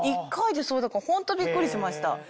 １回でそうだからホントびっくりしました。